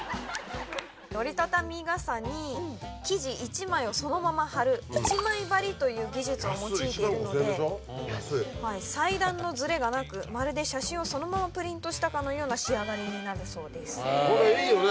折り畳み傘に生地１枚をそのまま貼る一枚張りという技術を用いているので裁断のズレがなくまるで写真をそのままプリントしたかのような仕上がりになるそうです。